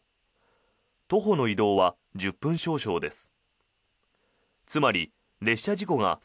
徒歩の移動は１０分少々です。